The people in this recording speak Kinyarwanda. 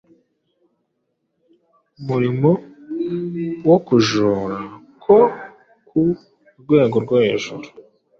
Umurimo wo kujora ko ku rwego rwo hejuru,